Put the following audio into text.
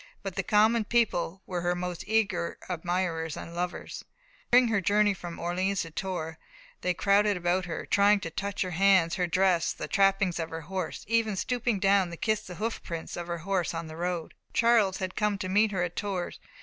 But the common people were her most eager admirers and lovers. During her journey from Orleans to Tours, they crowded about her, trying to touch her hands, her dress, the trappings of her horse even stooping down to kiss the hoof prints of her horse on the road. Charles came to meet her at Tours.